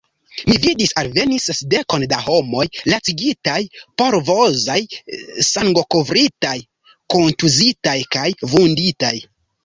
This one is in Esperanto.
Mi vidis alveni sesdekon da homoj lacigitaj, polvozaj, sangokovritaj, kontuzitaj kaj vunditaj.